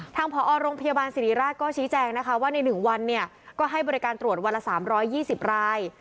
ทางผอโรงพยาบาลศิริราชก็ชี้แจงนะคะว่าในหนึ่งวันเนี่ยก็ให้บริการตรวจวันละสามร้อยยี่สิบราย